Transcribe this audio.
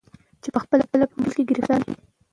چي پخپله په مشکل کي ګرفتار وي